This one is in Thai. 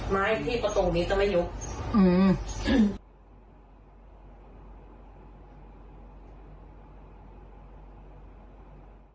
ไม้ที่ประตูงนี้จะไม่ยุค